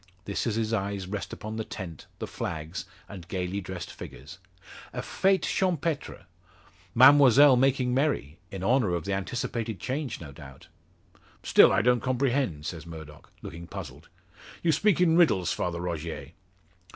This as his eyes rest upon the tent, the flags, and gaily dressed figures. "A fete champetre: Mademoiselle making, merry! In honour of the anticipated change, no doubt." "Still I don't comprehend," says Murdock, looking puzzled. "You speak in riddles, Father Rogier."